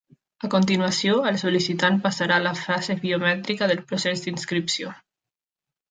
A continuació, el sol·licitant passarà a la fase biomètrica del procés d'inscripció.